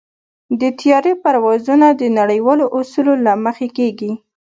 د طیارې پروازونه د نړیوالو اصولو له مخې کېږي.